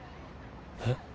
えっ？